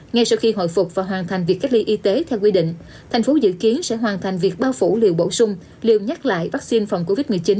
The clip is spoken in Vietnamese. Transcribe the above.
ngay sau khi hồi phục và hoàn thành việc cách ly y tế theo quy định thành phố dự kiến sẽ hoàn thành việc bao phủ liều bổ sung liều nhắc lại vaccine phòng covid một mươi chín